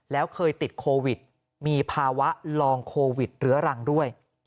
แล้วเคยติดโควิดมีภาวะลองโควิดเรื้อรังด้วย